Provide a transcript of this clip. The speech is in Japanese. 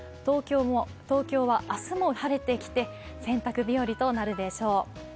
東京は明日も晴れてきて、洗濯日和になるでしょう。